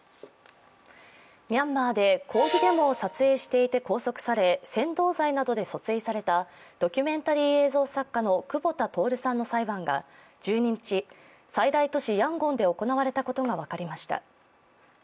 ミャンマーで抗議デモを撮影していて拘束され扇動罪などで訴追されたドキュメンタリー映像作家の久保田徹さんの裁判が１２日、最大都市ヤンゴンで行われたことが分かりました。